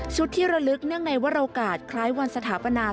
ที่ระลึกเนื่องในวรโอกาสคล้ายวันสถาปนา